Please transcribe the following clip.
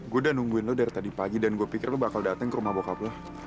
gue udah nungguin lo dari tadi pagi dan gue pikir lo bakal datang ke rumah boka b lo